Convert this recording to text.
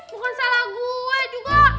bukan salah gue juga